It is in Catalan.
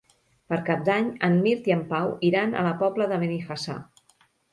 Per Cap d'Any en Mirt i en Pau iran a la Pobla de Benifassà.